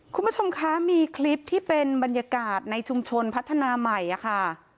คุณผู้ชมคะมีคลิปที่เป็นบรรยากาศในชุมชนพัฒนาใหม่ค่ะ